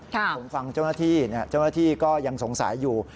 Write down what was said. ผมฟังเจ้าหน้าที่เจ้าหน้าที่ก็ยังสงสัยอยู่